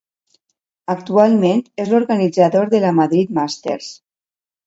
Actualment, és l"organitzador de la Madrid Masters.